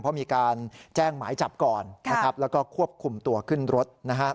เพราะมีการแจ้งหมายจับก่อนแล้วก็ควบคุมตัวขึ้นรถ